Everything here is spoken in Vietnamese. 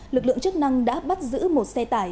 lực lượng chức năng đã bắt giữ một xe tải